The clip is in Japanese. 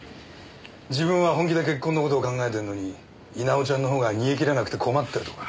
自分は本気で結婚の事を考えてるのに稲尾ちゃんのほうが煮え切らなくて困ってるとか。